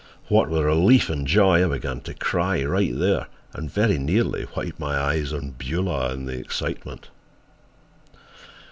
What with relief and joy, I began to cry, right there, and very nearly wiped my eyes on Beulah in the excitement.